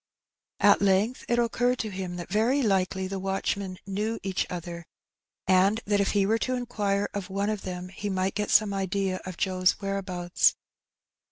At length it occurred to him that very likely the watchmen knew each other, and that if he were to inquire of one of them he might get some idea of Joe's where abouts.